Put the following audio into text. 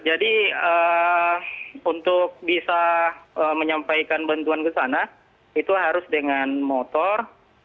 jadi untuk bisa menyampaikan bantuan ke sana itu harus dengan motor